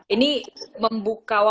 ini membuka wawasan saya